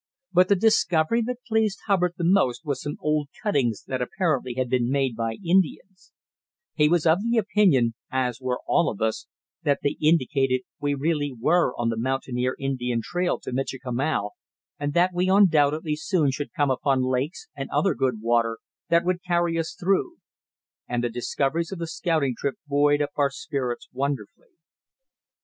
But the discovery that pleased Hubbard the most was some old cuttings that apparently had been made by Indians; he was of the opinion, as were all of us, that they indicated we really were on the Mountaineer Indian trail to Michikamau, and that we undoubtedly soon should come upon lakes and other good water that would carry us through; and the discoveries of the scouting trip buoyed up our spirits wonderfully.